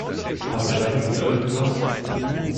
Passiert dahinten irgendwas?